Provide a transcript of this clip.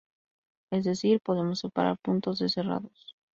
Es decir, podemos separar puntos de cerrados.